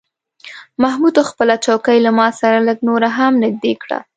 محمود خپله چوکۍ له ما سره لږه نوره هم نږدې کړه.